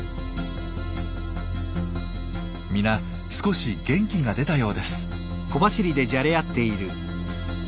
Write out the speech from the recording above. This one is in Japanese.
皆少し元気が出たようです。